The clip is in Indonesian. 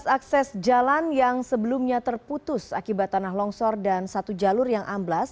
dua belas akses jalan yang sebelumnya terputus akibat tanah longsor dan satu jalur yang amblas